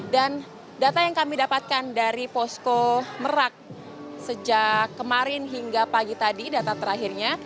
data yang kami dapatkan dari posko merak sejak kemarin hingga pagi tadi data terakhirnya